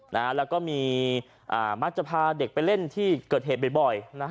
นะฮะแล้วก็มีอ่ามักจะพาเด็กไปเล่นที่เกิดเหตุบ่อยบ่อยนะฮะ